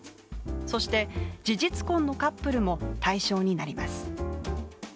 そして、事実婚のカップルも対象になります。